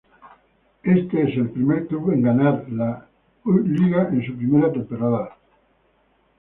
Este es el primer club en ganar la I-Liga en su primera temporada.